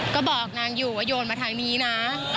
ก็บอกนางอยู่ว่าโยนมาทางนี้นะ